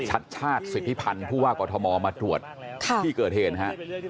อาจารย์ชัดสิทธิพันธ์ผู้ว่ากระทะมอมมาดูดที่เกิดเห็นฮะ